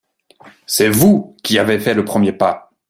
C’est vous qui avez fait le premier pas.